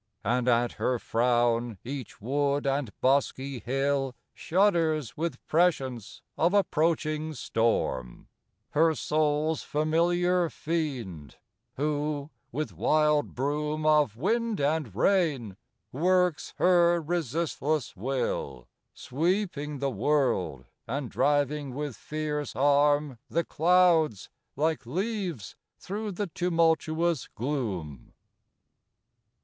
And at her frown each wood and bosky hill Shudders with prescience of approaching storm, Her soul's familiar fiend, who, with wild broom Of wind and rain, works her resistless will, Sweeping the world, and driving with fierce arm The clouds, like leaves, through the tumultuous gloom.